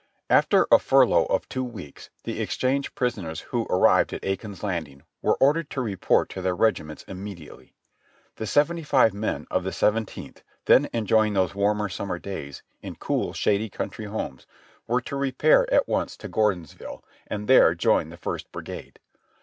After a furlough of two weeks the exchanged prisoners who had arrived at Aiken's Landing were ordered to report to their regiments immediately. The seventy five men of the beven te?nth, then enjoying those warm summer days ni cool shady country homes, were to repair at once to Gordonsville, and there join the First Brigade.